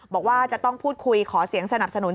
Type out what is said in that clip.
บอกว่าจะต้องพูดคุยขอเสียงสนับสนุน